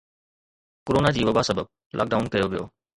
corona جي وبا سبب لاڪ ڊائون ڪيو ويو